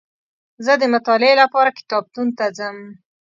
زه دمطالعې لپاره کتابتون ته ځم